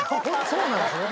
そうなんですね。